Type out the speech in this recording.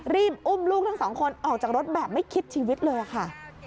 รีบอุ้มลูกทั้งสองคนออกจากรถแบบไม่คิดชีวิตเลยค่ะ